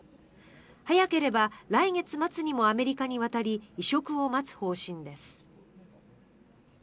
早ければ来月末にもアメリカに渡り移植を待つ方針です。